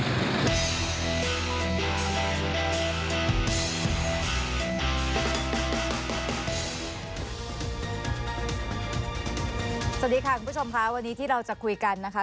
สวัสดีค่ะคุณผู้ชมค่ะวันนี้ที่เราจะคุยกันนะคะ